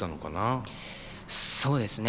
そうですね。